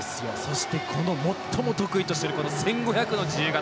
最も得意としている１５００の自由形。